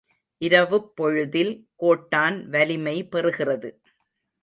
இரவுப் பொழுதில் கோட்டான் வலிமை பெறுகிறது.